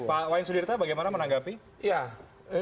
pak wayan sudirta bagaimana menanggapi